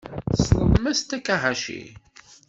Tessneḍ Mass Takahashi?